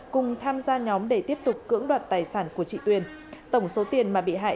cùng tham gia nhóm để tiếp tục cưỡng đoạt tài sản của chị tuyền tổng số tiền mà bị hại